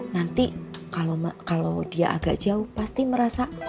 nanti kalau dia agak jauh pasti merasa